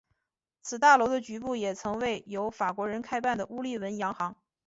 此大楼的局部也曾为由法国人开办的乌利文洋行。